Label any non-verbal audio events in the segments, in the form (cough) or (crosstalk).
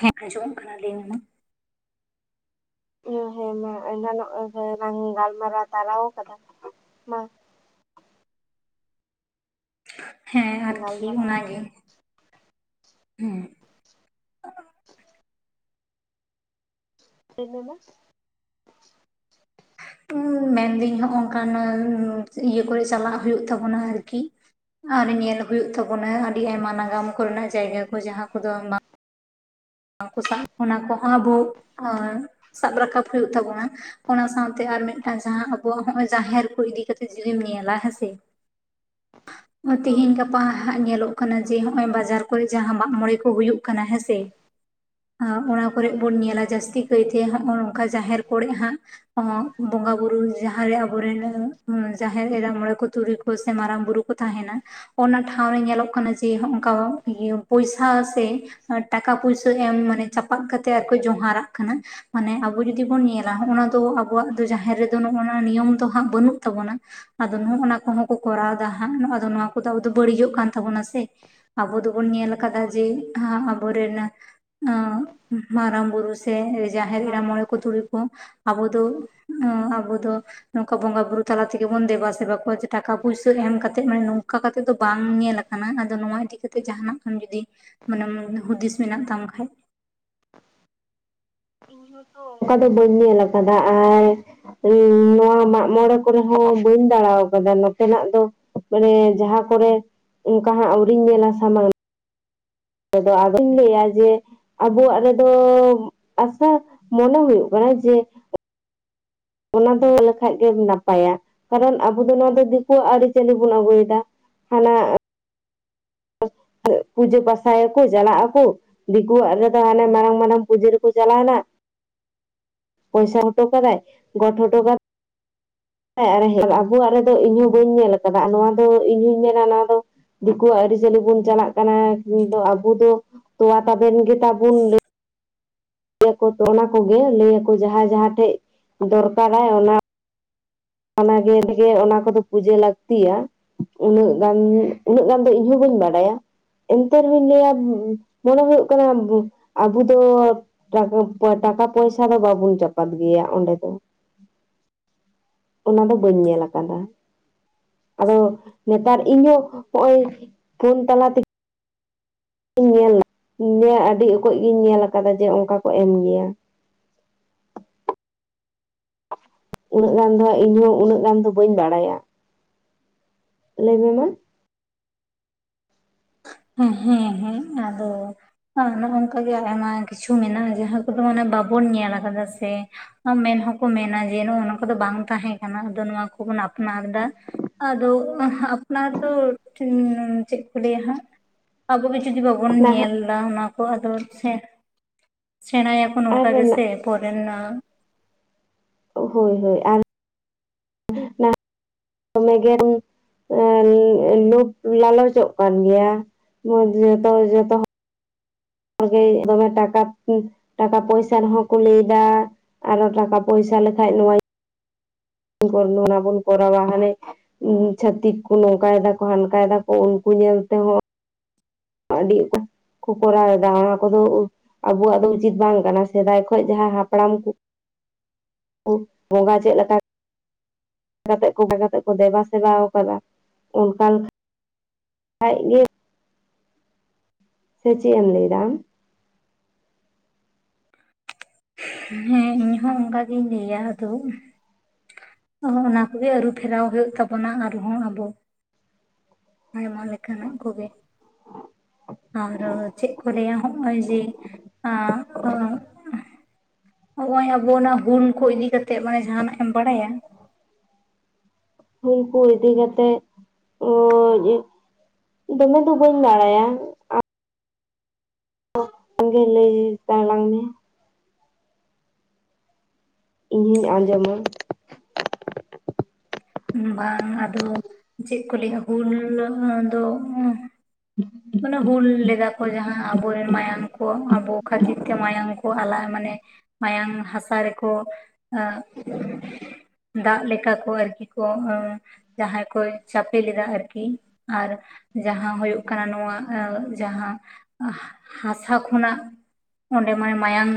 ᱦᱮᱸ ᱟᱸᱡᱚᱢᱚᱜ ᱠᱟᱱᱟ ᱞᱟ. ᱭ ᱢᱮ ᱦᱮᱸ ᱢᱟ ᱮᱱᱱᱟᱝᱚᱜ ᱞᱟᱝ ᱜᱟᱞ ᱢᱟᱨᱟᱣ ᱛᱟᱨᱟᱣ ᱟᱠᱟᱫᱟ ᱢᱟ ᱾ ᱦᱮᱸ ᱟᱨᱠᱤ ᱜᱟᱞᱢᱟᱨᱟᱣ ᱚᱱᱟ ᱜᱮ ᱦᱮᱸ ᱾ (unintelligible) (unintelligible) ᱢᱮᱱᱫᱟᱹᱧ ᱱᱚᱝᱠᱟ ᱤᱭᱟᱹ ᱠᱚᱨᱮ ᱪᱟᱞᱟᱜ ᱦᱩᱭᱩᱜ ᱛᱟᱵᱚᱱᱟ ᱟᱨᱠᱤ ᱟᱨ ᱧᱮᱞ ᱦᱳᱭᱩᱜ ᱛᱟᱵᱚᱱᱟ ᱟᱹᱰᱤ ᱟᱭᱢᱟ ᱱᱟᱜᱟᱢ ᱠᱚᱨᱮᱱᱟᱜ ᱡᱟᱭᱜᱟ ᱠᱚ ᱡᱟᱦᱟᱸ ᱠᱚᱫᱚ ᱵᱟᱝ ᱠᱩ ᱥᱟᱵ ᱚᱱᱟ ᱠᱚᱦᱚᱸ ᱟᱵᱚ ᱥᱟᱵ ᱨᱟᱠᱟᱵ ᱦᱩᱭᱩᱜ ᱛᱟᱵᱚᱱᱟ ᱚᱱᱟ ᱥᱟᱶᱛᱮ ᱟᱨ ᱢᱤᱫᱴᱟᱝ ᱡᱟᱦᱟᱸ ᱟᱵᱩᱣᱟᱜ ᱱᱚᱜ ᱚᱚᱭ ᱡᱟᱦᱮᱨ ᱠᱚ ᱤᱫᱤ ᱠᱟᱛᱮᱜ (unintelligible) ᱡᱩᱫᱤᱢ ᱧᱮᱞ-ᱟ ᱦᱮ ᱥᱮ ᱦᱳᱭ ᱛᱮᱦᱮᱧ ᱜᱟᱯᱟ ᱦᱟᱸᱜ ᱧᱮᱞᱚᱜ ᱠᱟᱱᱟ ᱡᱮ ᱦᱚᱸᱜᱼᱚᱭ ᱵᱟᱡᱟᱨ ᱠᱚᱨᱮ ᱡᱟᱦᱟᱸ ᱢᱟᱜ ᱢᱚᱬᱮ ᱠᱚ ᱦᱩᱭᱩᱜ ᱠᱟᱱᱟ ᱦᱮᱸ ᱥᱮ ᱚᱱᱟ ᱠᱚᱨᱮᱜ ᱦᱳᱭ ᱵᱚᱱ ᱧᱮᱞᱟ ᱡᱟᱹᱥᱛᱤ ᱠᱟᱭᱛᱮ ᱱᱚᱜᱼᱚᱭ ᱱᱚᱝᱠᱟ ᱡᱟᱦᱮᱨ ᱠᱚᱨᱮ ᱦᱟᱸᱜ ᱵᱚᱸᱜᱟ ᱵᱩᱨᱩ ᱡᱟᱦᱟᱸᱨᱮ ᱟᱵᱚᱨᱮᱱ ᱡᱟᱦᱮᱨ ᱮᱨᱟ ᱢᱚᱬᱮ ᱠᱚ ᱛᱩᱨᱩᱭ ᱠᱚ ᱥᱮ ᱢᱟᱨᱟᱝ ᱵᱩᱨᱩ ᱠᱚ ᱛᱟᱦᱮᱱᱟ ᱚᱱᱟ ᱴᱷᱟᱶᱨᱮ ᱧᱮᱞᱚᱜ ᱠᱟᱱᱟ ᱡᱮᱠᱟ ᱯᱚᱭᱥᱟ ᱥᱮ ᱴᱟᱠᱟ ᱯᱚᱭᱥᱟ ᱠᱟᱡ ᱦᱟᱜ ᱢᱟᱱᱮ ᱪᱟᱯᱟᱫ ᱠᱟᱛᱮᱜ ᱟᱨ ᱠᱚ ᱡᱚᱦᱟᱨᱟᱜ ᱠᱟᱱᱟ ᱢᱟᱱᱮ ᱟᱵᱚ ᱡᱩᱚᱫᱤ ᱵᱚᱱ ᱧᱮᱞᱟ ᱚᱱᱟ ᱫᱚ ᱟᱵᱚᱣᱟᱜ ᱫᱚ ᱡᱟᱦᱮᱨ ᱨᱮᱫᱚ ᱱᱚᱜᱼᱚᱱᱟ ᱱᱤᱭᱚᱢ ᱫᱚ ᱦᱟᱸᱜ ᱵᱟᱹᱱᱩᱜ ᱛᱟᱵᱚᱱᱟ ᱟᱫᱚ ᱱᱚᱜ ᱚᱱᱟ ᱠᱚᱦᱚᱸ ᱠᱚ ᱠᱚᱨᱟᱣ ᱮᱫᱟ ᱦᱟᱸᱜ ᱫᱚ ᱱᱚᱣᱟ ᱠᱚᱫᱚ ᱟᱵᱚ ᱫᱚ ᱵᱟᱹᱲᱤᱡᱚᱜ ᱠᱟᱱ ᱛᱟᱵᱚᱱᱟ ᱟᱵᱚ ᱫᱚᱵᱚᱱ ᱧᱮᱞ ᱠᱟᱫᱟ ᱦᱳᱭ ᱡᱮ ᱟᱵᱚ ᱨᱮᱱ ᱢᱟᱨᱟᱝ ᱵᱩᱨᱩ ᱥᱮ ᱡᱟᱦᱮᱨ ᱮᱨᱟ ᱢᱚᱬᱮ ᱠᱚ ᱛᱩᱨᱩᱭ ᱠᱚ ᱠᱚ ᱟᱵᱚ ᱫᱚ ᱟᱵᱚ ᱫᱚ ᱱᱚᱝᱠᱟ ᱵᱚᱸᱜᱟ ᱵᱩᱨᱩ ᱛᱟᱞᱟ ᱛᱮᱜᱮ ᱵᱚᱱ ᱫᱮᱵᱟ ᱥᱮᱵᱟ ᱠᱚᱣᱟ ᱡᱮ ᱴᱟᱠᱟ ᱯᱩᱭᱥᱟᱹ ᱮᱢ ᱠᱟᱛᱮᱫ ᱢᱟᱱᱮ ᱱᱚᱝᱠᱟ ᱠᱟᱛᱮᱫ ᱫᱚ ᱵᱟᱝ ᱧᱮᱞ ᱟᱠᱟᱱᱟ ᱠᱟᱱᱟ ᱟᱫᱚ ᱱᱚᱣᱟ ᱤᱫᱤ ᱠᱟᱛᱮ ᱡᱟᱦᱟᱱᱟᱜ ᱡᱤᱮ ᱦᱩᱫᱤᱥ ᱢᱮᱱᱟᱜ ᱛᱟᱢ ᱠᱷᱟᱱ ᱤᱧ ᱚᱱᱠᱟ ᱫᱚ ᱵᱟᱹᱧ ᱧᱮᱞ ᱟᱠᱟᱫᱟ ᱟᱨ ᱱᱚᱣᱟ ᱢᱟᱜᱢᱚᱬᱮ ᱠᱚᱨᱮ ᱦᱚᱸ ᱵᱟᱹᱧ ᱫᱟᱬᱟ ᱠᱟᱫᱟ ᱱᱚᱛᱮᱱᱟᱜ ᱫᱚ ᱢᱟᱱᱮ ᱡᱟᱦᱟᱸ ᱠᱚᱨᱮ ᱚᱱᱠᱟ ᱦᱟᱸᱜ ᱟᱹᱣᱨᱤᱧ ᱧᱮᱞᱟ ᱥᱟᱢᱟᱝ ᱟᱫᱚ ᱟᱫᱚᱧ ᱞᱟᱹᱭᱟ ᱡᱮ ᱟᱵᱚᱣᱟᱜ ᱨᱮᱫᱚ ᱟᱵᱚ ᱢᱚᱱᱮ ᱦᱩᱭᱩᱜ ᱠᱟᱱᱟ ᱡᱮ ᱚᱱᱟ ᱫᱚ ᱞᱮᱠᱷᱟᱡ ᱜᱮ ᱱᱟᱯᱟᱭᱟ ᱠᱟᱨᱚᱱ ᱟᱵᱚ ᱫᱚ ᱱᱚᱣᱟ ᱫᱚ ᱫᱤᱠᱩᱣᱟᱜ ᱟᱹᱨᱤᱪᱟᱹᱞᱤ ᱵᱚᱱ ᱟᱹᱜᱩᱭᱮᱫᱟ ᱦᱟᱱᱟ ᱯᱩᱡᱟᱹ ᱯᱟᱥᱟᱭᱟᱠᱚ ᱪᱟᱞᱟᱜ ᱟᱠᱚ ᱫᱤᱠᱩᱣᱟᱜ ᱨᱮᱫᱚ ᱦᱟᱱᱮ ᱢᱟᱨᱟᱝ ᱢᱟᱨᱟᱝ ᱯᱩᱡᱟᱹ ᱨᱮᱠᱚ ᱪᱟᱞᱟᱣᱮᱱᱟ ᱯᱚᱭᱥᱟ ᱦᱚᱴᱚ ᱠᱟᱫᱟᱭ ᱜᱚᱰ ᱦᱚᱴᱚ ᱠᱟᱫᱟᱭ ᱦᱮ ᱟᱵᱚᱣᱟᱜ ᱨᱮᱫᱚ ᱤᱧ ᱦᱚᱸ ᱵᱟᱹᱧ ᱧᱮᱞ ᱟᱠᱟᱫᱟ ᱱᱚᱣᱟ ᱫᱚ ᱤᱧ ᱦᱩᱧ ᱧᱮᱞᱟ ᱱᱚᱣᱟ ᱫᱚ ᱫᱤᱠᱩᱣᱟᱜ ᱟᱹᱨᱤᱪᱟᱹᱞᱤ ᱵᱚᱱ ᱪᱟᱞᱟᱜ ᱠᱟᱱᱟ ᱠᱤᱱᱛᱩ ᱟᱵᱚ ᱫᱚ ᱛᱚᱣᱟ ᱛᱟᱵᱮᱱ ᱜᱮ ᱛᱟᱵᱚᱱ ᱚᱱᱟ ᱠᱚᱜᱮ ᱞᱟᱹᱭᱟᱠᱚ ᱡᱟᱦᱟᱸᱭ ᱡᱟᱦᱟᱸ ᱴᱷᱮᱡ ᱫᱚᱨᱠᱟᱨᱟᱭ ᱚᱱᱟ ᱚᱱᱟ ᱜᱮ (unintelligible) ᱚᱱᱟ ᱠᱚᱫᱚ ᱯᱩᱡᱟᱹ ᱞᱟᱹᱠᱛᱤᱭᱟ ᱩᱱᱟᱹᱜ ᱜᱟᱱ ᱩᱱᱟᱹᱜ ᱜᱟᱱ ᱫᱚ ᱤᱧᱦᱚ ᱵᱟᱹᱧ ᱵᱟᱰᱟᱭᱟ ᱮᱱᱛᱮ ᱨᱮᱦᱚᱸᱧ ᱞᱟᱹᱭᱟ ᱢᱚᱱᱮ ᱦᱩᱭᱩᱜ ᱠᱟᱱᱟ ᱟᱵᱚ ᱫᱚ ᱴᱟᱠᱟ ᱯᱚᱭᱥᱟ ᱫᱚ ᱵᱟᱵᱚᱱ ᱪᱟᱯᱟᱫ ᱜᱮᱭᱟ ᱚᱸᱰᱮ ᱫᱚ ᱚᱱᱟ ᱫᱚ ᱵᱟᱹᱧ ᱧᱮᱞ ᱟᱠᱟᱫᱟ᱾ ᱟᱫᱚ ᱱᱮᱛᱟᱨ ᱤᱧ ᱦᱚᱸ ᱱᱚᱜ-ᱚᱭ ᱯᱷᱳᱱ ᱛᱟᱞᱟ ᱛᱮᱜᱮ ᱧᱮᱞ ᱟᱹᱰᱤ ᱚᱠᱚᱡ ᱜᱤᱧ ᱧᱮᱞ ᱟᱠᱟᱫᱟ ᱡᱮ, ᱚᱱᱠᱟ ᱠᱚ ᱮᱢ ᱜᱮᱭᱟ ᱾ (inaudible) ᱩᱱᱟᱹᱜ ᱜᱟᱱ ᱫᱚ ᱦᱟᱸᱜ ᱤᱧᱦᱚᱸ ᱩᱱᱟᱹᱜ ᱜᱟᱱ ᱫᱚ ᱵᱟᱹᱧ ᱵᱟᱲᱟᱭᱟ ᱾ ᱞᱟᱹᱭ ᱢᱮ ᱢᱟ? ᱦᱮᱸ ᱦᱮᱸ ᱦᱮᱸ, ᱟᱫᱚ ᱚᱱᱮ ᱚᱱᱠᱟ ᱜᱮ ᱟᱭᱢᱟ ᱠᱤᱪᱷᱩ ᱢᱮᱱᱟᱜ-ᱟ, ᱡᱟᱦᱟᱸ ᱠᱚᱫᱚ ᱢᱟᱱᱮ ᱵᱟᱵᱚᱱ ᱧᱮᱞ ᱟᱠᱟᱫᱟ ᱥᱮ ᱾ ᱢᱮᱱ ᱦᱚᱸᱠᱚ ᱢᱮᱱᱟ ᱡᱮ, ᱱᱚᱜᱚ ᱱᱚᱣᱟ ᱠᱚᱫᱚ ᱵᱟᱝ ᱛᱟᱦᱮᱸ ᱠᱟᱱᱟ, ᱟᱫᱚ ᱱᱚᱣᱟ ᱠᱚᱵᱚᱱ ᱟᱯᱱᱟᱨ ᱮᱫᱟ ᱾ ᱟᱫᱚ ᱟᱯᱱᱟᱨ ᱫᱚ ᱪᱮᱫ ᱞᱟᱭ-ᱟ ᱦᱟᱸᱜ ᱟᱵᱚ ᱜᱮ ᱡᱩᱫᱤ ᱵᱟᱵᱚᱱ ᱧᱮᱞ ᱱᱟᱦᱟᱜ ᱞᱟ ᱚᱱᱟ ᱠᱚ ᱟᱫᱚ ᱥᱮᱬᱟᱭᱟᱠᱚ ᱟᱨ ᱱᱚᱝᱠᱟ ᱜᱮᱥᱮ ᱯᱚᱨᱮ ᱨᱮᱱᱟᱜ ᱾ ᱦᱳᱭ ᱦᱳᱭ ᱟᱨ ᱢᱮᱜ (unintelligible) (unintelligible) ᱮ ᱞᱩᱵᱷ ᱞᱟᱞᱚᱪᱚᱜ ᱠᱟᱱ ᱜᱮᱭᱟ, ᱡᱚᱛᱚ ᱡᱚᱛᱚ ᱟᱜᱮ ᱫᱚᱢᱮ ᱴᱟᱠᱟ ᱴᱟᱠᱟ ᱯᱚᱭᱥᱟᱹ ᱨᱮᱦᱚᱸ ᱠᱚ ᱞᱟᱹᱭᱮᱫᱟ ᱾ ᱟᱨᱚ ᱴᱟᱠᱟ ᱯᱚᱭᱥᱟᱹ ᱞᱮᱠᱷᱟᱡ ᱱᱚᱣᱟ ᱚᱱᱟᱵᱚᱱ ᱠᱚᱨᱟᱣᱟ ᱦᱟᱱᱮ ᱪᱷᱟᱛᱤᱠ ᱠᱚ ᱱᱚᱝᱠᱟᱭ ᱫᱟᱠᱚ ᱦᱟᱱᱠᱟᱭ ᱫᱟ ᱠᱚ ᱩᱱᱠᱩ ᱧᱮᱞ ᱛᱮᱦᱚᱸ, ᱟᱹᱰᱤ ᱠᱚ ᱠᱚᱨᱟᱣ ᱮᱫᱟ ᱚᱱᱟ ᱠᱚᱫᱚ ᱟᱵᱚᱣᱟᱜ ᱫᱚ ᱩᱪᱤᱛ ᱵᱟᱝ ᱠᱟᱱᱟ, ᱥᱮᱫᱟᱭ ᱠᱷᱚᱱ ᱡᱟᱦᱟᱸ ᱦᱟᱯᱲᱟᱢ ᱠᱚ ᱵᱚᱸᱜᱟ ᱪᱮᱫ ᱞᱮᱠᱟ? ᱠᱟᱛᱮ ᱠᱚ ᱠᱟᱛᱮ ᱠᱚ ᱫᱮᱵᱟ ᱥᱮᱵᱟᱣ ᱟᱠᱟᱫᱟ ᱚᱱᱠᱟᱱ ᱟᱡ ᱜᱮ ᱥᱮ ᱪᱮᱫ ᱮᱢ ᱞᱟᱹᱭᱮᱫᱟ ᱟᱢ? ᱦᱮᱸ ᱤᱧᱦᱚᱸ ᱚᱱᱠᱟᱜᱤᱧ ᱞᱟᱹᱭᱟ ᱟᱫᱚ ᱾ ᱦᱚᱸ ᱚᱱᱟ ᱠᱚᱜᱮ ᱟᱹᱨᱩᱯᱷᱮᱨᱟᱣ ᱦᱩᱭᱩᱜ ᱛᱟᱵᱚᱱᱟ ᱟᱨᱦᱚᱸ ᱟᱵᱚ ᱾ ᱟᱭᱢᱟ ᱞᱮᱠᱟᱱᱟᱜ ᱠᱚᱜᱮ ᱾ ᱟᱨ ᱪᱮᱫ ᱠᱚ ᱞᱟᱹᱭᱟ ᱦᱚᱸᱜ-ᱚᱭ ᱡᱮ ᱦᱚᱸᱜ-ᱚᱭ ᱟᱵᱚ ᱚᱱᱟ ᱦᱩᱞ ᱠᱚ ᱤᱫᱤ ᱠᱟᱛᱮ ᱢᱟᱱᱮ ᱡᱟᱦᱟᱸᱱᱟᱜ ᱮᱢ ᱵᱟᱲᱟᱭᱟ? ᱦᱩᱞ ᱠᱚ ᱤᱫᱤ ᱠᱟᱛᱮ ᱫᱚᱢᱮ ᱫᱚ ᱵᱟᱹᱧ ᱵᱟᱲᱟᱭᱟ ᱾ ᱟᱢ ᱜᱮ ᱞᱟᱹᱭ ᱛᱟᱞᱟᱝ ᱢᱮ ᱾ ᱤᱧ ᱦᱚᱧ ᱟᱸᱡᱚᱢᱟ ᱾ ᱵᱟᱝ ᱟᱫᱚ ᱪᱮᱫ ᱠᱚ ᱞᱟᱹᱭᱟ ᱦᱩᱞ ᱫᱚ ᱢᱟᱱᱮ ᱦᱩᱞ ᱞᱮᱜᱟ ᱡᱟᱦᱟᱸ ᱟᱵᱚᱨᱮᱱ ᱢᱟᱭᱟᱢ ᱠᱚ ᱟᱵᱚ ᱠᱷᱟᱹᱛᱤᱨ ᱛᱮ ᱢᱟᱭᱟᱢ ᱠᱚ ᱟᱞᱟᱭ ᱢᱟᱱᱮ ᱢᱟᱭᱟᱝ ᱦᱟᱥᱟ ᱨᱮᱠᱚ ᱫᱟᱜ ᱞᱮᱠᱟ ᱠᱚ ᱟᱨᱠᱤ ᱡᱟᱦᱟᱸᱭ ᱠᱚ ᱪᱟᱯᱮ ᱞᱮᱫᱟ ᱟᱨᱠᱤ ᱟᱨ ᱡᱟᱦᱟᱸ ᱦᱩᱭᱩᱜ ᱠᱟᱱᱟ ᱱᱚᱣᱟ ᱡᱟᱦᱟᱸ ᱦᱟᱥᱟ ᱠᱷᱚᱱᱟᱜ ᱚᱸᱰᱮ ᱢᱟᱱᱮ ᱢᱟᱭᱟᱝ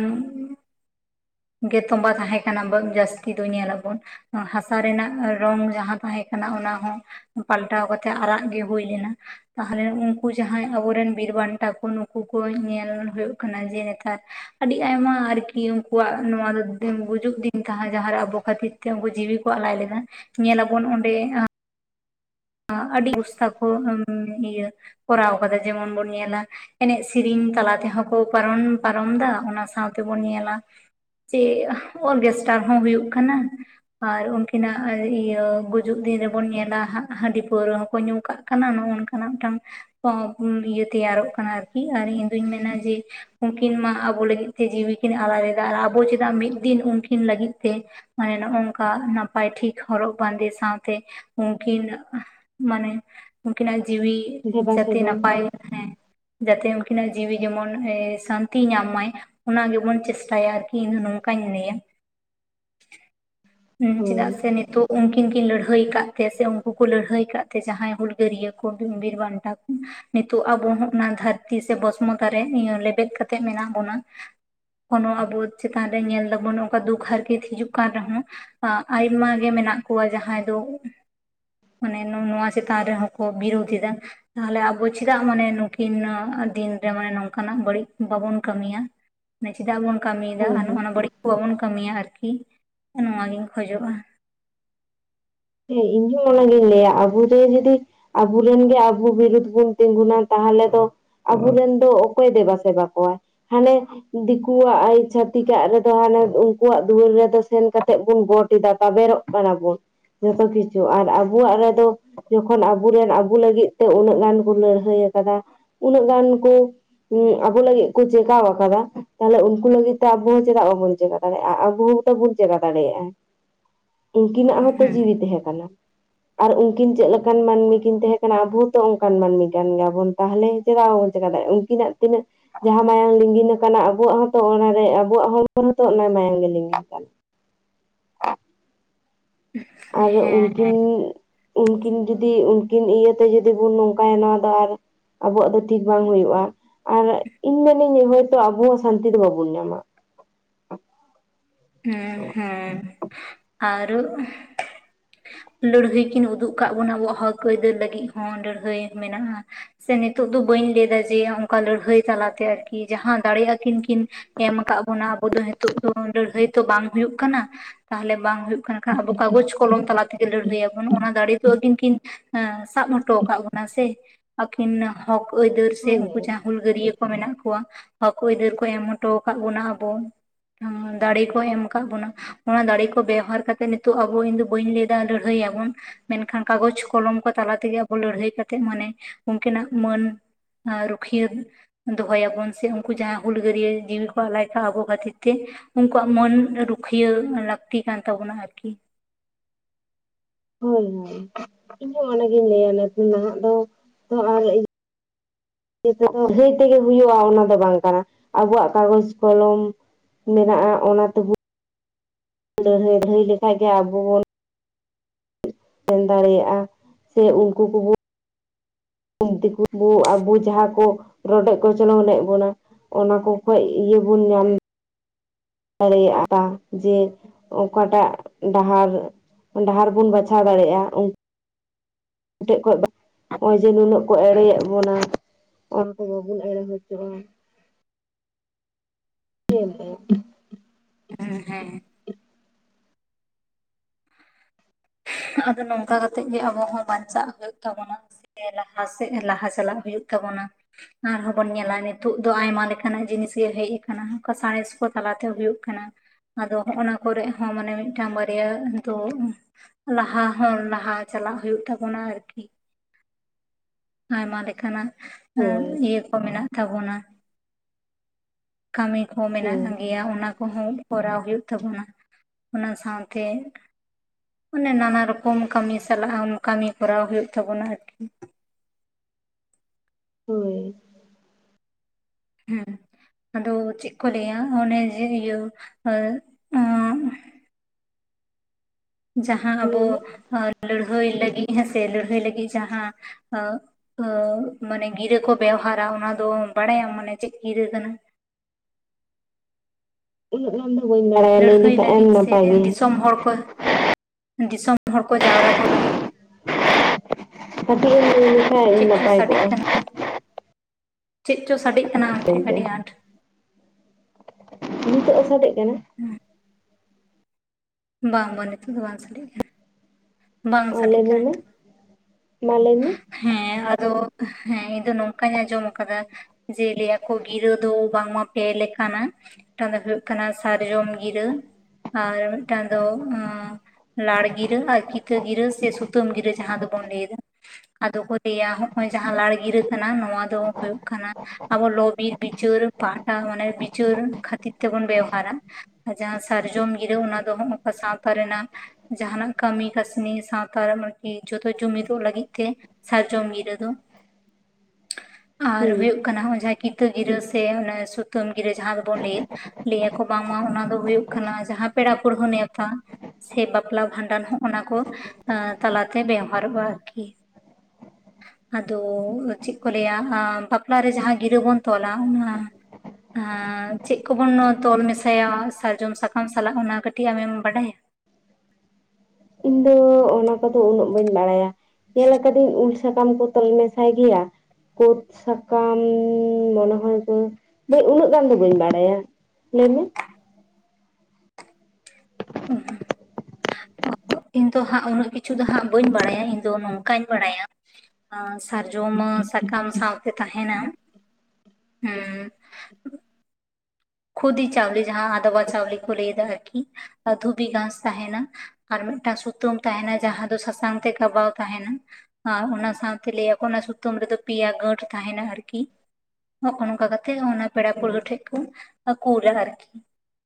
ᱜᱮ ᱛᱚᱸᱵᱟ ᱛᱟᱦᱮᱸ ᱠᱟᱱᱟ ᱡᱟᱹᱥᱛᱤ ᱫᱚ ᱧᱮᱞ ᱟᱵᱚᱱ ᱾ ᱦᱟᱥᱟ ᱨᱮᱱᱟᱜ ᱨᱚᱝ ᱡᱟᱦᱟᱸ ᱛᱟᱸᱦᱮ ᱠᱟᱱᱟ ᱚᱱᱟᱦᱚᱸ, ᱯᱟᱞᱴᱟᱣ ᱠᱟᱛᱮ ᱟᱨᱟᱜ ᱜᱮ ᱦᱩᱭ ᱞᱮᱱᱟ ᱾ ᱛᱟᱦᱚᱞᱮ ᱩᱱᱠᱩ ᱡᱟᱦᱟᱸᱭ ᱟᱵᱚᱨᱮᱱ ᱵᱤᱨ ᱵᱟᱱᱴᱟ ᱠᱚ ᱱᱩᱠᱩ ᱠᱚ ᱧᱮᱞ ᱦᱩᱭᱩᱜ ᱠᱟᱱᱟ ᱡᱮ ᱱᱮᱛᱟᱨ ᱟᱹᱰᱤ ᱟᱭᱢᱟ ᱟᱨᱠᱤ ᱩᱱᱠᱩᱣᱟᱜ ᱱᱚᱶᱟ ᱫᱚ ᱜᱩᱡᱩᱜ ᱫᱤᱱ ᱛᱟᱦᱮᱸ ᱡᱟᱦᱟᱸᱨᱮ ᱟᱵᱚ ᱠᱷᱟᱹᱛᱤᱨ ᱛᱮ ᱩᱱᱠᱩ ᱡᱤᱣᱤ ᱠᱚ ᱟᱞᱟᱭ ᱞᱮᱫᱟ ᱧᱮᱞᱟᱵᱚᱱ ᱚᱸᱰᱮ ᱾ ᱟᱹᱰᱤ ᱚᱵᱚᱥᱛᱷᱟ ᱠᱚ ᱤᱭᱟᱹ ᱠᱚᱨᱟᱣ ᱟᱠᱟᱫᱟ, ᱡᱮᱢᱚᱱ ᱵᱚᱱ ᱧᱮᱞᱟ ᱮᱱᱮᱡ ᱥᱮᱨᱮᱹᱧ ᱛᱟᱞᱟ ᱛᱮᱦᱚᱸ ᱠᱚ ᱯᱟᱨᱚᱢ ᱯᱟᱨᱚᱢ ᱫᱟ ᱚᱱᱟ ᱥᱟᱶᱛᱮᱵᱚᱱ ᱧᱮᱞᱟ ᱥᱮ ᱚᱨᱜᱮᱥᱴᱟᱨ ᱦᱚᱸ ᱦᱩᱭᱩᱜ ᱠᱟᱱᱟ ᱟᱨ ᱩᱱᱠᱤᱱᱟᱜ ᱤᱭᱟᱹ ᱜᱩᱡᱩᱜ ᱫᱤᱱ ᱨᱮᱵᱚᱱ ᱧᱮᱞᱟ ᱦᱟᱺᱰᱤ ᱯᱟᱹᱣᱨᱟᱹ ᱦᱚᱸᱠᱚ ᱧᱩ ᱠᱟᱜ ᱠᱟᱱᱟ ᱱᱚᱝᱠᱟᱱᱟᱜ ᱢᱤᱫᱴᱟᱝ ᱤᱭᱟᱹ ᱛᱮᱭᱟᱨᱚᱜ ᱠᱟᱱᱟ ᱟᱨᱠᱤ ᱟᱨ ᱤᱧ ᱫᱩᱧ ᱢᱮᱱᱟ ᱡᱮ ᱩᱱᱠᱤᱱ ᱢᱟ ᱟᱵᱚ ᱞᱟᱹᱜᱤᱫ ᱛᱮ ᱡᱤᱣᱤ ᱠᱤᱱ ᱟᱞᱟ ᱞᱮᱫᱟ ᱟᱨ ᱟᱵᱚ ᱪᱮᱫᱟᱜ ᱢᱤᱫ ᱫᱤᱱ ᱩᱱᱠᱤᱱ ᱞᱟᱹᱜᱤᱫ ᱛᱮ ᱢᱟᱱᱮ ᱱᱚᱜᱼᱚ ᱱᱚᱝᱠᱟ ᱱᱟᱯᱟᱭ ᱴᱷᱤᱠ ᱦᱚᱨᱚᱜ ᱵᱟᱸᱫᱮ ᱥᱟᱶᱛᱮ ᱩᱱᱠᱤᱱ ᱢᱟᱱᱮ ᱩᱱᱠᱤᱱᱟᱜ ᱡᱤᱣᱤ ᱫᱮᱵᱟ ᱡᱟᱛᱮ ᱥᱮᱵᱟ ᱱᱟᱯᱟᱭ ᱦᱮᱸ (inaudible) ᱡᱟᱛᱮ ᱩᱱᱠᱤᱱᱟᱜ ᱡᱤᱣᱤ ᱡᱮᱢᱚᱱ ᱥᱟᱱᱛᱤ ᱧᱟᱢ ᱢᱟᱭ᱾ ᱚᱱᱟ ᱜᱮᱵᱚᱱ ᱪᱮᱥᱴᱟᱭᱟ ᱟᱨᱠᱤ ᱤᱧᱫᱚ ᱱᱚᱝᱠᱟᱧ ᱞᱟᱹᱭᱟ ᱩᱸ ᱦᱮᱸ ᱪᱮᱫᱟᱜ ᱥᱮ ᱱᱤᱛᱚᱜ ᱩᱱᱠᱤᱱ ᱠᱤᱱ ᱞᱟᱹᱲᱦᱟᱹᱭ ᱟᱠᱟᱫ ᱛᱮ ᱥᱮ ᱩᱱᱠᱩ ᱠᱚ ᱞᱟᱹᱲᱦᱟᱹᱭ ᱠᱟᱫ ᱛᱮ ᱡᱟᱦᱟᱸᱭ ᱦᱩᱞᱜᱟᱹᱨᱭᱟᱹ ᱠᱚ ᱵᱤᱨ ᱵᱤᱨ ᱵᱟᱱᱴᱟ ᱠᱚ ᱱᱤᱛᱚᱜ ᱟᱵᱚ ᱦᱚᱸ ᱚᱱᱟ ᱫᱷᱟᱹᱨᱛᱤ ᱥᱮ ᱵᱚᱥᱢᱚᱛᱟᱨ ᱨᱮ ᱱᱤᱭᱟᱹ ᱞᱮᱵᱮᱫ ᱠᱟᱛᱮ ᱢᱮᱱᱟᱜ ᱵᱚᱱᱟ ᱾ ᱠᱚᱱᱳ ᱟᱵᱚ ᱪᱮᱛᱟᱱ ᱨᱮ ᱧᱮᱞ ᱫᱟᱵᱚᱱ ᱚᱱᱠᱟ ᱫᱩᱠ ᱦᱟᱨᱠᱮᱛ ᱦᱤᱡᱩᱜ ᱠᱟᱱ ᱨᱮᱦᱚᱸ ᱟᱭᱢᱟ ᱜᱮ ᱢᱮᱱᱟᱜ ᱠᱚᱣᱟ ᱡᱟᱦᱟᱸᱭ ᱫᱚ ᱢᱟᱱᱮ ᱱᱚᱣᱟ ᱪᱮᱛᱟᱱ ᱨᱮᱦᱠᱚ ᱵᱤᱨᱩᱫᱽᱫᱮᱫᱟ ᱾ ᱛᱟᱦᱞᱮ ᱟᱵᱚ ᱪᱮᱫᱟᱜ ᱢᱟᱱᱮ ᱱᱩᱠᱤᱱ ᱫᱤᱱᱨᱮ ᱢᱟᱱᱮ ᱱᱚᱝᱠᱟᱱᱟᱜ ᱵᱟᱹᱲᱤᱡ ᱵᱟᱵᱚᱱ ᱠᱟᱹᱢᱤᱭᱟ ᱢᱮ ᱪᱮᱫᱟᱜ ᱵᱚᱱ ᱠᱟᱹᱢᱤᱭᱮᱫᱟ ᱦᱳᱭ ᱦᱳᱭ ᱱᱚᱜ ᱱᱟ ᱵᱟᱹᱲᱤᱡ ᱠᱚ ᱵᱟᱵᱚᱱ ᱠᱟᱹᱢᱤᱭᱟ ᱟᱨᱠᱤ ᱱᱚᱣᱟᱜᱤᱧ ᱠᱷᱚᱡᱚᱜᱼᱟ᱾ ᱦᱮᱸ ᱤᱧᱦᱚᱸ ᱚᱱᱟᱜᱤᱧ ᱞᱟᱹᱭᱟ ᱟᱵᱚᱫᱚ ᱡᱩᱫᱤ ᱟᱵᱚᱨᱮᱱ ᱜᱮ ᱟᱵᱚ ᱵᱤᱨᱩᱫ ᱵᱚᱱ ᱛᱤᱸᱜᱩᱱᱟ ᱛᱟᱦᱚᱞᱮ ᱫᱚ ᱟᱵᱚᱨᱮᱱ ᱫᱚ ᱚᱠᱚᱭ ᱫᱮᱵᱟ ᱥᱮᱵᱟ ᱠᱚᱣᱟᱭ ᱦᱟᱱᱮ ᱫᱤᱠᱩᱣᱟᱜ ᱟᱭ ᱪᱷᱟᱹᱛᱤᱠᱟᱜ ᱨᱮᱫᱚ ᱦᱟᱱᱮ ᱩᱱᱠᱩᱣᱟᱜ ᱫᱩᱣᱟᱹᱨ ᱨᱮᱫᱚ ᱥᱮᱱ ᱠᱟᱛᱮᱜ ᱵᱩᱱ ᱜᱚᱴ ᱮᱫᱟ ᱛᱟᱵᱮᱨᱚᱜ ᱠᱟᱱᱟᱵᱚᱱ ᱡᱚᱛᱚ ᱠᱤᱪᱷᱩ ᱟᱨ ᱟᱵᱚᱣᱟᱜ ᱨᱮᱫᱚ ᱡᱚᱠᱷᱚᱱ ᱟᱵᱚᱨᱮᱱ ᱟᱵᱩ ᱞᱟᱹᱜᱤᱫ ᱛᱮ ᱩᱱᱟᱹᱜ ᱜᱟᱱ ᱠᱚ ᱞᱟᱹᱲᱦᱟᱹᱭ ᱟᱠᱟᱫᱟ ᱩᱱᱟᱹᱜ ᱜᱟᱱ ᱠᱚ ᱦᱮᱸ ᱟᱵᱩ ᱞᱟᱹᱜᱤᱫ ᱠᱚ ᱪᱮᱠᱟ ᱟᱠᱟᱫᱟ ᱛᱟᱦᱚᱞᱮ ᱩᱱᱠᱩ ᱞᱟᱹᱜᱤᱫ ᱛᱮ ᱟᱵᱚ ᱦᱚᱸ ᱪᱮᱫᱟᱜ ᱵᱟᱵᱚᱱ ᱪᱮᱠᱟ ᱫᱟᱲᱮᱭᱟᱜᱼᱟ ᱟᱵᱚ ᱦᱚᱸᱛᱚ ᱵᱚᱱ ᱪᱮᱠᱟ ᱫᱟᱲᱮᱭᱟᱜᱼᱟ ᱩᱱᱠᱤᱱᱟᱜ ᱦᱚᱛᱚ ᱦᱮᱸ ᱡᱤᱣᱤ ᱛᱟᱦᱮᱸ ᱠᱟᱱᱟ ᱟᱨ ᱩᱱᱠᱤᱱ ᱪᱮᱫ ᱞᱮᱠᱟᱱ ᱢᱟᱹᱱᱢᱤ ᱠᱤᱱ ᱛᱟᱦᱮᱸ ᱠᱟᱱᱟ ᱟᱵᱚ ᱛᱚ ᱚᱱᱠᱟᱱ ᱢᱟᱹᱱᱢᱤ ᱠᱟᱱ ᱜᱮᱭᱟᱵᱩᱱ᱾ ᱛᱟᱦᱚᱞᱮ ᱪᱮᱫᱟᱜ ᱵᱟᱵᱚᱱ ᱪᱤᱠᱟ ᱫᱟᱲᱮᱭᱟᱜ ᱩᱱᱠᱤᱱᱟᱜ ᱛᱤᱱᱟᱹᱜ ᱡᱟᱦᱟᱸ ᱢᱟᱭᱟᱝ ᱞᱤᱸᱜᱤᱱ ᱟᱠᱟᱱᱟ ᱟᱵᱚᱣᱟᱜ ᱦᱚᱸᱛᱚ ᱚᱱᱟᱨᱮ ᱟᱵᱚᱣᱟᱜ ᱦᱚᱲᱢᱚ ᱨᱮ ᱦᱚᱸᱛᱚ ᱚᱱᱟ ᱢᱟᱭᱟᱢ ᱜᱮ ᱞᱤᱸᱜᱤᱱ ᱟᱠᱟᱱᱟ᱾ ᱟᱨ ᱦᱮᱸ ᱩᱱᱠᱤᱱ ᱩᱱᱠᱤᱱ ᱡᱩᱫᱤ ᱩᱱᱠᱤᱱ ᱤᱭᱟᱹᱛᱮ ᱡᱩᱫᱤ ᱵᱚᱱ ᱱᱚᱝᱠᱟᱭᱟ ᱱᱚᱣᱟ ᱫᱚ ᱟᱨ ᱟᱵᱚᱣᱟᱜ ᱫᱚ ᱴᱷᱤᱠ ᱵᱟᱝ ᱦᱳᱭᱳᱜᱼᱟ ᱟᱨ ᱤᱧ ᱢᱮᱱᱟᱧ ᱦᱚᱭᱛᱚ ᱟᱵᱚ ᱦᱚᱸ ᱥᱟᱱᱛᱤ ᱫᱚ ᱵᱟᱵᱚᱱ ᱧᱟᱢᱟ᱾ ᱦᱩᱸ ᱦᱩᱸ ᱟᱨᱦᱚᱸ ᱞᱟᱹᱲᱦᱟᱹᱭ ᱠᱤᱱ ᱩᱫᱩᱜ ᱟᱠᱟᱫ ᱵᱚᱱᱟ ᱟᱵᱚᱣᱟᱜ ᱦᱚᱠ ᱟᱹᱭᱫᱟᱹᱨ ᱞᱟᱹᱜᱤᱫ ᱦᱚᱸ ᱞᱟᱹᱲᱦᱟᱹᱭ ᱢᱮᱱᱟᱜᱼᱟ ᱥᱮ ᱱᱤᱛᱚᱜ ᱫᱚ ᱵᱟᱹᱧ ᱞᱟᱹᱭ ᱫᱟᱲᱮᱭᱟᱜ ᱡᱮ ᱚᱱᱠᱟ ᱞᱟᱹᱲᱦᱟᱹᱭ ᱛᱟᱞᱟᱛᱮ ᱟᱨᱠᱤ ᱡᱟᱦᱟᱸ ᱫᱟᱲᱮᱭᱟᱜ ᱟᱹᱠᱤᱱ ᱠᱤᱱ ᱮᱢ ᱟᱠᱟᱫ ᱵᱚᱱᱟ ᱟᱵᱚ ᱫᱚ ᱱᱤᱛᱚᱜ ᱫᱚ ᱞᱟᱹᱲᱦᱟᱹᱭ ᱛᱚ ᱵᱟᱝ ᱦᱩᱭᱩᱜ ᱠᱟᱱᱟ ᱛᱟᱦᱚᱞᱮ ᱵᱟᱝ ᱦᱩᱭᱩᱜ ᱟᱵᱚ ᱠᱟᱜᱚᱡᱽ ᱠᱚᱞᱚᱢ ᱛᱟᱞᱟ ᱛᱮᱜᱮ ᱞᱟᱹᱲᱦᱟᱹᱭ ᱟᱵᱚᱱ ᱚᱱᱟ ᱫᱟᱲᱮ ᱫᱚ ᱟᱹᱠᱤᱱ ᱠᱤᱱ ᱮ ᱥᱟᱵ ᱦᱚᱴᱚ ᱟᱠᱟᱫ ᱵᱚᱱᱟ ᱥᱮ ᱟᱹᱠᱤᱱ ᱦᱚᱠ ᱟᱹᱭᱫᱟᱹᱨ ᱥᱮ ᱦᱳᱭ ᱩᱱᱠᱩ ᱦᱳᱭ ᱡᱟᱦᱟᱸ ᱦᱩᱞ ᱜᱟᱹᱨᱭᱟᱹ ᱠᱚ ᱢᱮᱱᱟᱜ ᱠᱚᱣᱟ ᱟᱠᱚ ᱟᱹᱭᱫᱟᱹᱨ ᱠᱚ ᱮᱢ ᱦᱚᱴᱚ ᱟᱠᱟᱫ ᱵᱚᱱᱟ ᱫᱟᱲᱮ ᱠᱚ ᱮᱢ ᱟᱠᱟᱫ ᱵᱚᱱᱟ ᱚᱱᱟ ᱫᱟᱲᱮ ᱠᱚ ᱵᱮᱣᱦᱟᱨ ᱠᱟᱛᱮᱜ ᱱᱤᱛᱚᱜ ᱟᱵᱚ ᱤᱧ ᱫᱚ ᱵᱟᱹᱧ ᱞᱟᱹᱭ ᱫᱟ ᱞᱟᱹᱲᱦᱟᱹᱭ ᱟᱵᱚᱱ ᱢᱮᱱᱠᱷᱟᱱ ᱠᱟᱜᱚᱡᱽ ᱠᱚᱞᱚᱢ ᱠᱚ ᱛᱟᱞᱟ ᱛᱮᱜᱮ ᱟᱵᱚ ᱞᱟᱹᱲᱦᱟᱹᱭ ᱠᱟᱛᱮᱜ ᱢᱟᱱᱮ ᱩᱱᱠᱤᱱᱟᱜ ᱢᱟᱹᱱ, ᱟᱨ ᱨᱩᱠᱷᱤᱭᱟᱹ ᱫᱚᱦᱚᱭ ᱟᱵᱚᱱ ᱥᱮ ᱩᱱᱠᱩ ᱡᱟᱦᱟᱸᱭ ᱦᱩᱞᱜᱟᱹᱨᱭᱟᱹ ᱡᱤᱣᱤ ᱠᱚ ᱟᱞᱟᱭ ᱠᱟᱜ ᱟᱵᱚ ᱠᱷᱟᱹᱛᱤᱨ ᱛᱮ, ᱟᱠᱚᱣᱟᱜ ᱢᱟᱹᱱ ᱨᱩᱠᱷᱤᱭᱟᱹ ᱞᱟᱹᱠᱛᱤ ᱠᱟᱱ ᱛᱟᱵᱚᱱᱟ ᱟᱨᱠᱤ, ᱦᱳᱭ ᱦᱳᱭ ᱤᱧᱦᱚᱸ ᱚᱱᱟᱜᱤᱧ ᱞᱟᱹᱭᱟ ᱱᱤᱛ ᱱᱟᱦᱟᱜ ᱫᱚ ᱛᱚ ᱟᱨ ᱞᱟᱹᱲᱦᱟᱹᱭ ᱛᱮᱜᱮ ᱦᱩᱭᱩᱜᱼᱟ ᱚᱱᱟ ᱫᱚ ᱵᱟᱝ ᱠᱟᱱᱟ ᱟᱵᱚᱣᱟᱜ ᱠᱟᱜᱚᱡᱽ, ᱠᱚᱞᱚᱢ, ᱢᱮᱱᱟᱜᱼᱟ ᱚᱱᱟ ᱛᱮᱦᱚᱸ ᱞᱟᱹᱲᱦᱟᱹᱭ ᱞᱟᱹᱭ ᱞᱮᱠᱷᱟ ᱜᱮ ᱟᱵᱚ ᱵᱚᱱ ᱥᱮᱱ ᱫᱟᱲᱮᱭᱟᱜᱼᱟ ᱥᱮ ᱩᱱᱠᱩ ᱠᱚᱵᱚ, ᱫᱤᱠᱩ ᱠᱚ ᱟᱵᱚ ᱡᱟᱦᱟᱸ ᱠᱚ ᱨᱚᱰᱚᱡ ᱠᱚᱪᱚᱞᱚᱱᱮᱫ ᱵᱚᱱᱟ ᱾ ᱚᱱᱟ ᱠᱚ ᱠᱷᱚᱡ ᱤᱭᱟᱹ ᱵᱚᱱ ᱧᱟᱢ ᱫᱟᱲᱮᱭᱟᱜᱼᱟ ᱡᱮ ᱚᱠᱟᱴᱟᱜ ᱰᱟᱦᱟᱨ ᱰᱟᱦᱟᱨ ᱵᱚᱱ ᱵᱟᱪᱷᱟᱣ ᱫᱟᱲᱮᱭᱟᱜᱼᱟ ᱴᱷᱮᱜ ᱠᱷᱚᱡ ᱱᱚᱜᱼᱚᱭ ᱡᱮ ᱱᱩᱱᱟᱹᱜ ᱠᱚ ᱮᱲᱮᱭᱮᱜ ᱵᱚᱱᱟ ᱚᱱᱟ ᱠᱚ ᱵᱟᱵᱚᱱ ᱮᱲᱮ ᱦᱚᱪᱚᱜᱼᱟ (inaudible) ᱦᱮᱸ ᱦᱮᱸᱻ ᱟᱫᱚ ᱱᱚᱝᱠᱟ ᱠᱟᱛᱮᱜ ᱜᱮ ᱟᱵᱚ ᱦᱚᱸ ᱵᱟᱧᱪᱟᱜ ᱦᱩᱭᱩᱜ ᱛᱟᱵᱚᱱᱟ ᱞᱟᱦᱟ ᱥᱮᱜ ᱞᱟᱦᱟ ᱪᱟᱞᱟᱜ ᱦᱩᱭᱩᱜ ᱛᱟᱵᱚᱱᱟ ᱟᱨᱦᱚᱸ ᱵᱚᱱ ᱧᱮᱞᱟ ᱱᱤᱛᱚᱜ ᱫᱚ ᱟᱭᱢᱟ ᱞᱮᱠᱟᱱᱟᱜ ᱡᱤᱱᱤᱥ ᱜᱮ ᱦᱮᱡ ᱟᱠᱟᱱᱟ ᱚᱠᱟ ᱥᱟᱬᱮᱥ ᱠᱚ ᱛᱟᱞᱟᱛᱮ ᱦᱩᱭᱩᱜ ᱠᱟᱱᱟ ᱟᱫᱚ ᱦᱚᱸᱜᱼᱱᱟ ᱠᱚᱨᱮ ᱦᱚᱸ ᱢᱟᱱᱮ ᱢᱤᱫᱴᱟᱝ ᱵᱟᱨᱭᱟ ᱫᱚ ᱞᱟᱦᱟ ᱦᱚᱸ ᱞᱟᱦᱟ ᱪᱟᱞᱟᱜ ᱦᱩᱭᱩᱜ ᱛᱟᱵᱚᱱᱟ ᱟᱨᱠᱤ ᱟᱭᱢᱟ ᱞᱮᱠᱟᱱᱟᱜ ᱦᱳᱭ ᱤᱭᱟᱹ ᱠᱚ ᱢᱮᱱᱟᱜ ᱛᱟᱵᱚᱱᱟ ᱾ ᱠᱟᱹᱢᱤ ᱠᱚ ᱢᱮᱱᱟᱜ ᱦᱮᱸ ᱜᱮᱭᱟ ᱚᱱᱟ ᱮᱸ ᱦᱮᱜ ᱠᱚᱨᱟᱣ ᱦᱩᱭᱩᱜ ᱛᱟᱵᱚᱱᱟ ᱚᱱᱟ ᱥᱟᱶᱛᱮ ᱚᱱᱮ ᱱᱟᱱᱟ ᱨᱚᱠᱚᱢ ᱠᱟᱹᱢᱤ ᱥᱟᱞᱟᱜᱼᱟ ᱠᱟᱹᱢᱤ ᱠᱚᱨᱟᱣ ᱦᱩᱭᱩᱜ ᱛᱟᱵᱚᱱᱟ ᱟᱨᱠᱤ, ᱦᱳᱭᱻ ᱦᱮᱸ ᱟᱫᱚ ᱪᱮᱜ ᱠᱚ ᱞᱟᱹᱭᱟ ᱚᱱᱮ ᱡᱮ ᱤᱭᱟᱹ ᱮᱸ ᱮᱸᱻ ᱡᱟᱦᱟᱸ ᱞᱟᱹᱭ ᱟᱵᱚ ᱢᱮ ᱞᱟᱹᱲᱦᱟᱹᱭ ᱞᱟᱹᱜᱤᱫ ᱦᱮᱸᱥᱮ ᱞᱟᱹᱲᱦᱟᱹᱭ ᱞᱟᱹᱜᱤᱫ ᱡᱟᱦᱟᱸ ᱚᱸᱜ ᱟᱹᱻ ᱢᱟᱱᱮ ᱜᱤᱨᱟᱹ ᱠᱚ ᱵᱮᱣᱦᱟᱨᱟ ᱚᱱᱟ ᱫᱚ ᱵᱟᱲᱟᱭᱟᱢ ᱢᱟᱱᱮ ᱪᱮᱫ ᱜᱤᱨᱟᱹ ᱠᱟᱱᱟ ᱩᱱᱟᱹᱜ ᱤᱧ ᱫᱚ ᱵᱟᱹᱧ ᱵᱟᱲᱟᱭ ᱞᱟᱹᱲᱦᱟᱹᱭ ᱞᱟᱹᱜᱤᱫ ᱥᱮ ᱫᱤᱥᱚᱢ ᱦᱚᱲ ᱠᱚ ᱫᱤᱥᱚᱢ ᱦᱚᱲ ᱠᱚ ᱡᱟᱣᱨᱟ ᱠᱚ ᱞᱟᱹᱜᱤᱫ ᱠᱟᱹᱴᱤᱡ ᱮᱢ ᱞᱮ ᱞᱮᱠᱷᱟᱡ ᱤᱧ ᱪᱮᱫ ᱪᱚ ᱱᱟᱯᱟᱭ ᱥᱟᱰᱮᱜ ᱠᱚᱜᱼᱟ ᱠᱟᱱᱟ ᱪᱮᱫ ᱪᱚ ᱥᱟᱰᱮᱜ ᱠᱟᱱᱟ ᱟᱢᱴᱷᱮᱡ ᱜᱚᱝᱠᱮ ᱟᱹᱰᱤ ᱟᱸᱴ ᱱᱤᱛᱚᱜ ᱦᱚᱸ ᱥᱟᱰᱮᱜ ᱠᱟᱱᱟ (inaudible) ᱵᱟᱝ ᱵᱟᱝ ᱱᱤᱛᱚᱜ ᱫᱚ ᱵᱟᱝ ᱥᱟᱰᱮᱜ ᱠᱟᱱᱟ ᱵᱟᱝ ᱚ ᱥᱟᱰᱮᱜ ᱞᱟᱹᱭ ᱢᱮ ᱠᱟᱱᱟ ᱢᱟ ᱱᱤᱛᱚᱜ ᱫᱚ ᱢᱟ ᱞᱟᱹᱭ ᱢᱮ ᱦᱮᱸ ᱟᱫᱚ ᱦᱮᱸ ᱤᱧ ᱫᱚ ᱱᱚᱝᱠᱟᱧ ᱟᱸᱡᱚᱢ ᱟᱠᱟᱫᱟ ᱡᱮ ᱞᱟᱹᱭᱟ ᱠᱚ ᱜᱤᱨᱟᱹ ᱫᱚ ᱵᱟᱝᱢᱟ ᱯᱮ ᱞᱮᱠᱟᱱᱟ ᱢᱤᱫᱴᱟᱝ ᱫᱚ ᱦᱳᱭᱳᱜ ᱠᱟᱱᱟ ᱥᱟᱨᱡᱚᱢ ᱜᱤᱨᱟᱹ ᱟᱨ ᱢᱤᱫᱴᱟᱝ ᱫᱚ ᱞᱟᱲ ᱜᱤᱨᱟᱹ ᱟᱨ ᱠᱤᱛᱟᱹ ᱜᱤᱨᱟᱹ ᱥᱮ ᱥᱩ ᱥᱩᱛᱟᱹᱢ ᱜᱤᱨᱟᱹ ᱡᱟᱦᱟᱸ ᱫᱚᱵᱚᱱ ᱞᱟᱹᱭ ᱮᱫᱟ ᱟᱫᱚ ᱠᱚ ᱞᱟᱹᱭᱟ ᱦᱚᱸᱜᱼᱚᱭ ᱡᱟᱦᱟᱸ ᱞᱟᱲ ᱜᱤᱨᱟᱹ ᱠᱟᱱᱟ ᱱᱚᱣᱟ ᱫᱚ ᱦᱩᱭᱩᱜ ᱠᱟᱱᱟ ᱟᱵᱚ ᱞᱚᱼᱵᱤᱨ ᱵᱤᱪᱟᱹᱨ ᱯᱟᱦᱴᱟ ᱢᱟᱱᱮ ᱵᱤᱪᱟᱹᱨ ᱠᱷᱟᱹᱛᱤᱨ ᱛᱮᱵᱚᱱ ᱵᱮᱣᱦᱟᱨᱟ ᱟᱨ ᱡᱟᱦᱟᱸ ᱥᱟᱨᱡᱚᱢ ᱜᱤᱨᱟᱹ ᱚᱱᱟ ᱫᱚ ᱦᱚᱸᱜ ᱚᱝᱠᱟ ᱥᱟᱶᱛᱟ ᱨᱮᱱᱟᱜ ᱡᱟᱦᱟᱱᱟᱜ ᱠᱟᱹᱢᱤ ᱠᱟᱹᱥᱱᱤ ᱥᱟᱶᱛᱟ (unintelligible) ᱡᱚᱛᱚ ᱡᱩᱢᱤᱫᱚᱜ ᱞᱟᱹᱜᱤᱫ ᱛᱮ ᱥᱟᱨᱡᱚᱢ ᱜᱤᱨᱟᱹ ᱫᱚ (inaudible) ᱟᱨ ᱦᱩᱭᱩᱜ ᱠᱟᱱᱟ ᱦᱚᱸᱜᱼᱚᱭ ᱡᱟᱦᱟᱸ ᱠᱤᱛᱟᱹ ᱜᱤᱨᱟᱹ ᱥᱮ ᱚᱱᱮ ᱥᱩᱛᱟᱹᱢ ᱜᱤᱨᱟᱹ ᱡᱟᱦᱟᱸ ᱫᱚᱵᱚᱱ ᱞᱟᱹᱭᱮᱫ ᱞᱟᱹᱭᱟ ᱠᱚ ᱵᱟᱝᱢᱟ ᱚᱱᱟ ᱫᱚ ᱦᱩᱭᱩᱜ ᱠᱟᱱᱟ ᱡᱟᱦᱟᱸ ᱯᱮᱲᱟ ᱯᱟᱹᱲᱦᱟᱹ ᱱᱮᱶᱛᱟ ᱥᱮ ᱵᱟᱯᱞᱟ ᱵᱷᱟᱸᱰᱟᱱ ᱦᱚᱸ ᱚᱱᱟᱠᱚ ᱛᱟᱞᱟᱛᱮ ᱵᱮᱣᱦᱟᱨᱚᱜᱼᱟ ᱟᱨᱠᱤ (inaudible) ᱟᱫᱚ ᱪᱮᱫ ᱠᱚ ᱞᱟᱹᱭᱟ ᱵᱟᱯᱞᱟᱨᱮ ᱡᱟᱦᱟᱸ ᱜᱤᱨᱟᱹ ᱵᱚᱱ ᱛᱚᱞᱟ ᱚᱱᱟ ᱪᱮᱜ ᱠᱚᱵᱚᱱ ᱛᱚᱞ ᱢᱮᱥᱟᱭᱟ ᱥᱟᱨᱡᱚᱢ ᱥᱟᱠᱟᱢ ᱥᱟᱞᱟᱜ ᱚᱱᱟ ᱠᱟᱹ ᱴᱤᱡ ᱟᱢᱮᱢ ᱵᱟᱰᱟᱭᱟ ᱤᱧ ᱫᱚ ᱚᱱᱟ ᱠᱚᱫᱚ ᱩᱱᱟᱹᱜ ᱵᱟᱹᱧ ᱵᱟᱲᱟᱭᱟ ᱧᱮᱞ ᱠᱟᱫᱟᱹᱧ ᱩᱞ ᱥᱟᱠᱟᱢ ᱠᱚ ᱛᱚᱞ ᱢᱮᱥᱟᱭ ᱜᱮᱭᱟ ᱠᱳᱫ ᱥᱟᱠᱟᱢᱻ ᱢᱚᱱᱮ ᱦᱚᱭ ᱛᱚ ᱵᱟᱹᱧ ᱩᱱᱟᱹᱜ ᱜᱟᱱ ᱫᱚ ᱵᱟᱹᱧ ᱵᱟᱲᱟᱭᱟ ᱞᱟᱹᱭᱢᱮ (inaudible) ᱤᱧ ᱫᱚ ᱦᱟᱸᱜ ᱩᱱᱟᱹᱜ ᱠᱤᱪᱷᱩ ᱫᱚ ᱦᱟᱸᱜ ᱵᱟᱹᱧ ᱵᱟᱲᱟᱭᱟ, ᱤᱧ ᱫᱚ ᱱᱚᱝᱠᱟᱧ ᱵᱟᱲᱟᱭᱟ ᱾ ᱥᱟᱨᱡᱚᱢ ᱥᱟᱠᱟᱢ ᱥᱟᱶᱛᱮ ᱛᱟᱦᱮᱱᱟ ᱾ ᱦᱩᱸᱻ ᱠᱷᱩᱫᱤ ᱪᱟᱣᱞᱮ ᱡᱟᱦᱟᱸ ᱟᱫᱣᱟ ᱪᱟᱣᱞᱮ ᱠᱚ ᱞᱟᱹᱭ ᱮᱫᱟ ᱟᱨ ᱠᱤ ᱫᱷᱩᱵᱤ ᱜᱷᱟᱥ ᱛᱟᱦᱮᱸᱱᱟ ᱟᱨ ᱢᱤᱫᱴᱟᱝ ᱥᱩᱛᱟᱹᱢ ᱛᱟᱦᱮᱸᱱᱟ ᱡᱟᱦᱟᱸ ᱫᱚ ᱥᱟᱥᱟᱝ ᱛᱮ ᱜᱟᱵᱟᱣ ᱛᱟᱦᱮᱸᱱᱟ ᱟᱨ ᱚᱱᱟ ᱥᱟᱶᱛᱮ ᱞᱟᱹᱭᱟᱠᱚ ᱚᱱᱟ ᱥᱩᱛᱟᱹᱢ ᱨᱮᱫᱚ ᱯᱮᱭᱟ ᱜᱟᱹᱴ ᱛᱟᱦᱮᱸᱱᱟ ᱟᱨᱠᱤ ᱦᱚᱜ ᱱᱚᱝᱠᱟ ᱠᱟᱛᱮᱜ ᱚᱱᱟ ᱯᱮᱲᱟ ᱯᱟᱹᱲᱦᱟᱹ ᱴᱷᱮᱱ ᱠᱚ ᱠᱩᱞᱟ ᱟᱨᱠᱤ